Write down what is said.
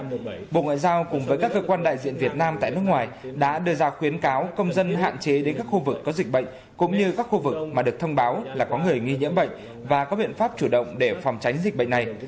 bộ ngoại giao cùng với các cơ quan đại diện việt nam tại nước ngoài đã đưa ra khuyến cáo công dân hạn chế đến các khu vực có dịch bệnh cũng như các khu vực mà được thông báo là có người nghi nhiễm bệnh và có biện pháp chủ động để phòng tránh dịch bệnh này